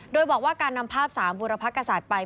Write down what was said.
โดยบอกว่าการนำภาพ๓บุรพกษัตริย์ไป